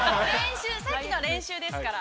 ◆さっきのは練習ですから。